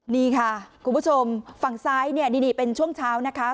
นี่ค่ะคุณผู้ชมฝั่งซ้ายเนี่ยนี่เป็นช่วงเช้านะคะ